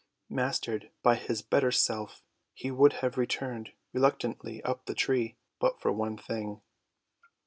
Mastered by his better self he would have returned reluctantly up the tree, but for one thing.